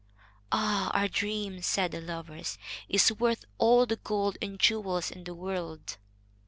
"Ah! our dream," said the lovers, "is worth all the gold and jewels in the world."